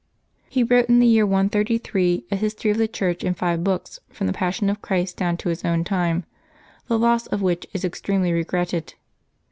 He wrote in the year 133 a History of the Church in five books, from the Passion of Christ down to his own time, the loss of which work is extremely regretted.